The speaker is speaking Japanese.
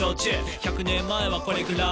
「１００年前はこれぐらい」